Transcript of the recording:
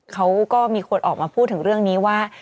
เขาก็มีคนออกมาพูดถึงเรื่องนี้ว่า